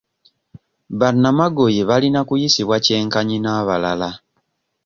Banamagoye balina kuyisibwa kyenkanyi n'abalala.